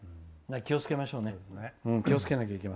気をつけましょうね。